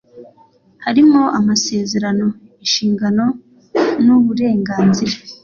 harimo amasezerano inshingano n uburenganzira